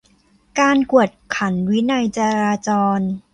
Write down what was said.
การกวดขันวินัยจราจร